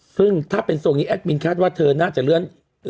ซึ่งถ้าเป็นทรงนี้แอดมินคาดว่าเธอน่าจะเลื่อน